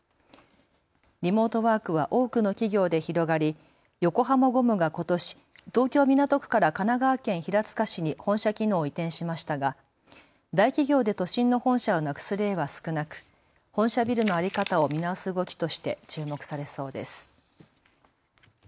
リモートワークは多くの企業で広がり横浜ゴムがことし、東京港区から神奈川県平塚市に本社機能を移転しましたが大企業で都心の本社をなくす例は少なく本社ビルの在り方を見直す動きとして注目されそうです。